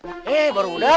akhirnya baru mau penuh